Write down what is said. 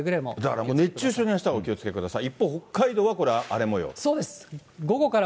だからもう熱中症にあしたお気をつけください。